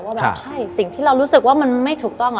ว่าแบบใช่สิ่งที่เรารู้สึกว่ามันไม่ถูกต้อง